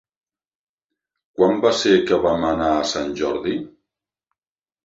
Quan va ser que vam anar a Sant Jordi?